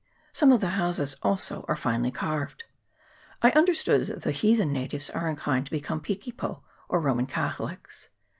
Some of the houses also are finely carved. I under stood that the heathen natives are inclined to be come Piki po, or Roman Catholics.